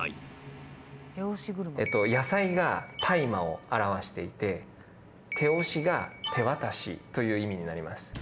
「野菜」が「大麻」を表していて「手押し」が「手渡し」という意味になります。